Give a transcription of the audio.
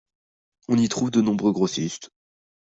On y trouve de nombreux grossistes.